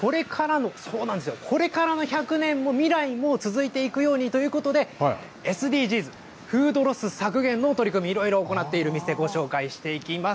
そこでこれからの１００年も未来も続いていくようにということで、ＳＤＧｓ、フードロス削減の取り組み、いろいろ行っている店、ご紹介していきます。